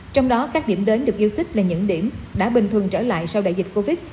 trong đó các điểm đến được yêu thích là những điểm đã bình thường trở lại sau đại dịch covid